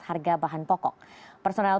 harga bahan pokok personel